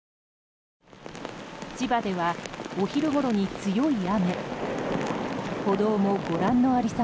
千葉ではお昼ごろに強い雨。